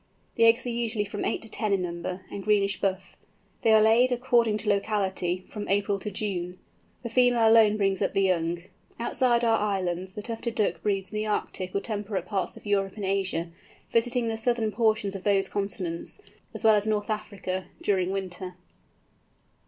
The eggs are usually from eight to ten in number, and greenish buff. They are laid, according to locality, from April to June. The female alone brings up the young. Outside our islands, the Tufted Duck breeds in the Arctic or temperate parts of Europe and Asia, visiting the southern portions of those continents, as well as North Africa, during winter.